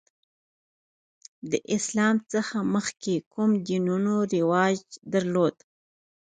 د اسلام څخه مخکې کوم دینونه رواج درلود؟